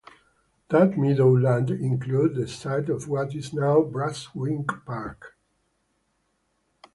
That meadow land included the site of what is now Brunswick Park.